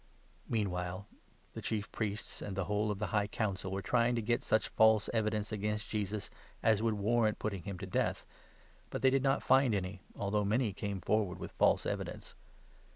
Meanwhile the Chief Priests and the 59 whole of the High Council were trying to get such false evidence against Jesus, as would warrant putting him to death, but they 60 did not find any, although many came forward with false evidence.